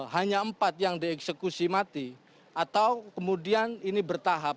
hanya empat yang dieksekusi mati atau kemudian ini bertahap